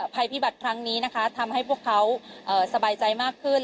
ภัยพิบัติครั้งนี้นะคะทำให้พวกเขาสบายใจมากขึ้น